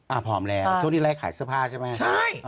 อ่าผอมแล้วช่วงที่แรคขายเสื้อผ้าใช่ไหม